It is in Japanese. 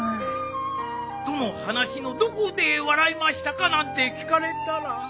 「どの話のどこで笑いましたか？」なんて聞かれたら。